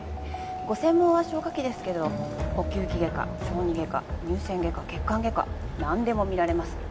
ご専門は消化器ですけど呼吸器外科小児外科乳腺外科血管外科なんでも診られます。